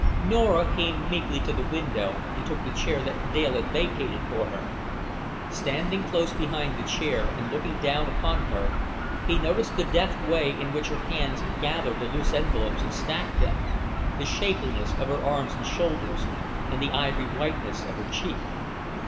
Norah came meekly to the window and took the chair that Dale had vacated for her. Standing close behind the chair and looking down upon her, he noticed the deft way in which her hands gathered the loose envelopes and stacked them; the shapeliness of her arms and shoulders; and the ivory whiteness of her cheek.